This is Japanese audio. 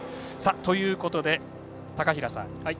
ということで高平さん